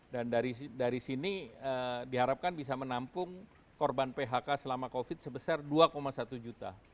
dari sini diharapkan bisa menampung korban phk selama covid sebesar dua satu juta